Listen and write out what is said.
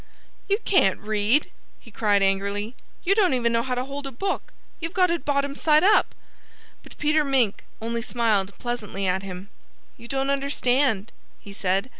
"You can't read!" he cried angrily. "You don't even know how to hold a book. You've got it bottom side up!" But Peter Mink only smiled pleasantly at him. "You don't understand," he said.